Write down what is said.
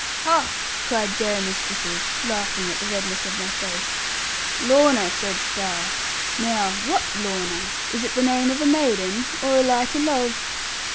'Ha!' cried Jeremy Stickles, laughing at the redness of my face 'Lorna, saidst thou; now what Lorna? Is it the name of a maiden, or a light o' love?'